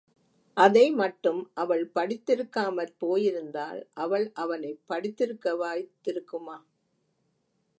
அதை மட்டும் அவள் படித்திருக்காமற் போயிருந்தால், அவள் அவனைப் படித்திருக்க வாய்த் திருக்குமா?